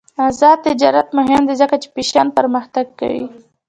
آزاد تجارت مهم دی ځکه چې فیشن پرمختګ کوي.